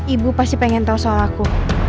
ibu pasti pengen tahu soal aku